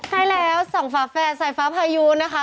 ใช่แล้วสองฝาแฝดสายฟ้าพายุนะคะ